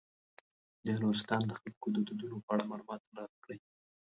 د نورستان د خلکو د دودونو په اړه معلومات تر لاسه کړئ.